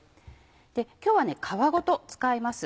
今日は皮ごと使います。